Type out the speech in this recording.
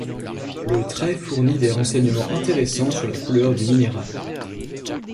Le trait fournit des renseignements intéressants sur la couleur du minéral.